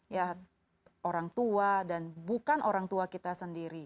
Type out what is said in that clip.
ya orang tua dan bukan orang tua kita sendiri